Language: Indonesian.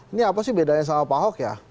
ini apa sih bedanya sama pak ahok ya